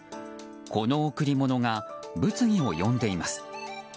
この贈り物が物議を呼んでいます。